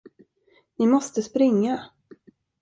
Ni måste springa.